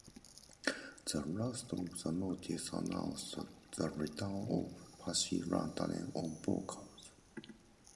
The last of the notices announced the return of Pasi Rantanen on vocals.